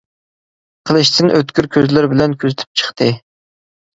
قىلىچتىن ئۆتكۈر كۆزلىرى بىلەن كۆزىتىپ چىقتى.